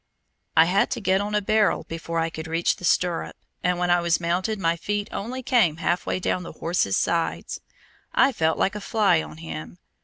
I had to get on a barrel before I could reach the stirrup, and when I was mounted my feet only came half way down the horse's sides. I felt like a fly on him.